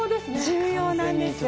重要なんです。